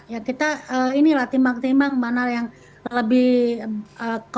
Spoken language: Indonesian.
ya kita inilah timbang timbang mana yang lebih kuat